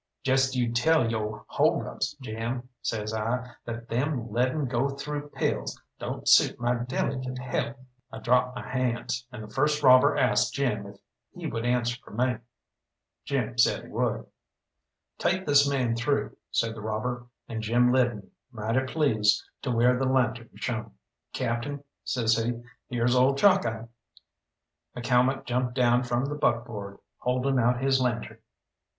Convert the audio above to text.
"Jest you tell yo' hold ups, Jim," says I, "that them leaden go through pills don't suit my delicate health." I dropped my hands, and the first robber asked Jim if he would answer for me. Jim said he would. "Take this man through," said the robber, and Jim led me, mighty pleased, to where the lantern shone. "Captain," says he, "here's old Chalkeye!" McCalmont jumped down from the buckboard, holding out his lantern.